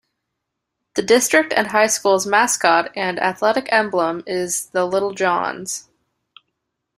The district and high school's mascot and athletic emblem is the "Little Johns".